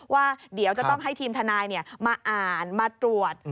ว่าเดี๋ยวจะต้องให้ทีมทนายมาอ่านมาตรวจ